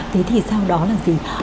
thế thì sau đó là gì